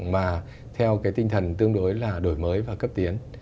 mà theo cái tinh thần tương đối là đổi mới và cấp tiến